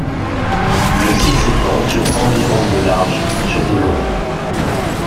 Le site s'étend sur environ de large sur de long.